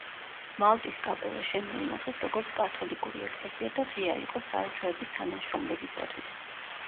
მალტის კაპელა შემოინახეს, როგორც კათოლიკური ეკლესია და ღია იყო საელჩოების თანამშრომლებისათვის.